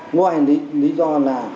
ngoài lý do là